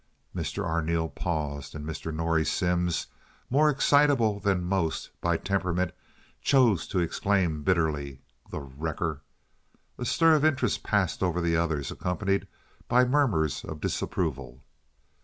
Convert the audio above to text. Mr. Arneel paused, and Mr. Norrie Simms, more excitable than most by temperament, chose to exclaim, bitterly: "The wrecker!" A stir of interest passed over the others accompanied by murmurs of disapproval.